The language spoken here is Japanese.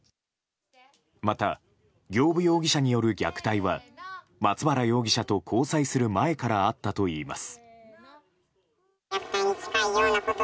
また、行歩容疑者による虐待は松原容疑者と交際する前からあったといいます。